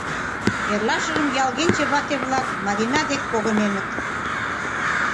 Эрлашыжым ялгенче вате-влак Марина дек погынышт.